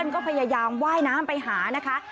ก็พยายามว่ายน้ำไปหานะคะ